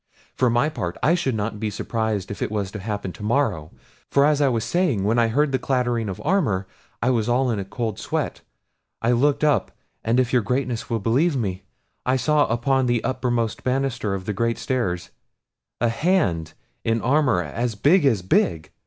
For my part, I should not be surprised if it was to happen to morrow; for, as I was saying, when I heard the clattering of armour, I was all in a cold sweat. I looked up, and, if your Greatness will believe me, I saw upon the uppermost banister of the great stairs a hand in armour as big as big.